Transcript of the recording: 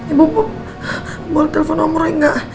ibu boleh telfon nomornya gak